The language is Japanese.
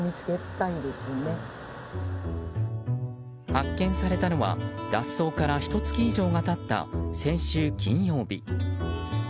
発見されたのは、脱走からひと月以上が経った先週金曜日。